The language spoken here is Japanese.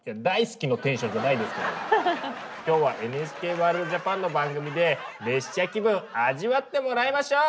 きょうは「ＮＨＫワールドＪＡＰＡＮ」の番組で列車気分味わってもらいましょう！